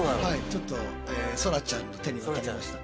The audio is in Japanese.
ちょっとそらちゃんの手に渡りました。